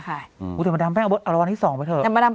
ค่ะอืมเดี๋ยวมาดามแป้งเอาเอาละวันที่สองไปเถอะแต่มาดาม